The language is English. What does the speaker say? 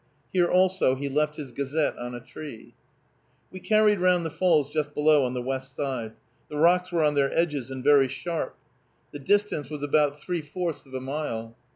Here also he left his gazette on a tree. We carried round the falls just below, on the west side. The rocks were on their edges, and very sharp. The distance was about three fourths of a mile.